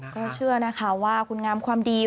ก็เชื่อนะคะว่าคุณงามความดี